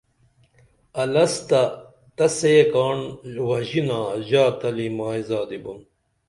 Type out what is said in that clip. الست تہ سے کاڻ وژینا ژا تلی مائی زادی بُن